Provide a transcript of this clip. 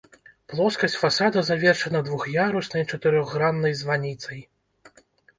Плоскасць фасада завершана двух'яруснай чатырохграннай званіцай.